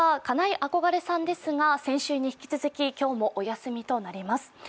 金井憧れさんですが先週に引き続き今日もお休みとなります。